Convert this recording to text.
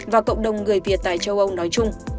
và cộng đồng người việt tại châu âu nói chung